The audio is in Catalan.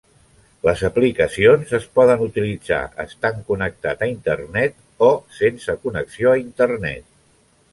Les aplicacions es poden utilitzar estant connectat a Internet, o sense connexió a Internet.